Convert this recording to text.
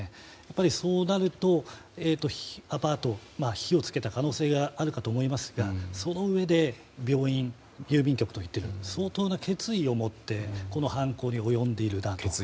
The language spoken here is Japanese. そうなると、アパートに火をつけた可能性があるかと思いますがそのうえで、病院、郵便局と相当な決意を持ってこの犯行に及んでいる。